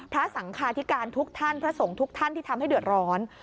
พระสังคาธิการทุกท่านพระสงฆ์ทุกท่านที่ทำให้เดือดร้อน